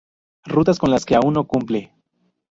Rutas con las que aún no cumple.